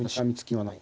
はい。